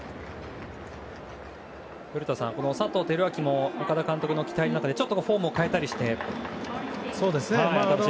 古田さん、佐藤輝明も岡田監督の期待の中でちょっとフォームを変えたりして。